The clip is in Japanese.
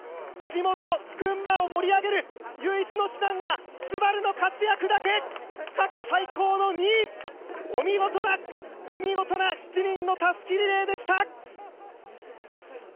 地元・群馬を盛り上げる唯一の手段はＳＵＢＡＲＵの活躍だけ、過去最高の２位、お見事な、お見事な、７人のたすきリレーでした。